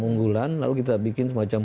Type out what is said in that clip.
unggulan lalu kita bikin semacam